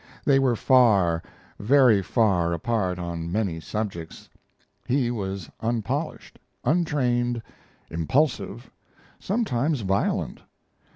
They were far, very far, apart on many subjects. He was unpolished, untrained, impulsive, sometimes violent.